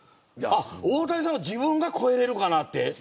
大谷さんを自分が超えれるかなって。